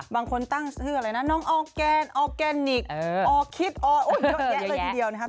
บางคนตั้งชื่ออะไรนะน้องออร์แกนออร์แกนิคอคิดออร์เยอะแยะเลยทีเดียวนะคะ